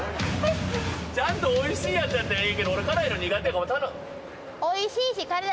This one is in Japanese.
ちゃんとおいしいやつやったらええけど俺辛いの苦手やから。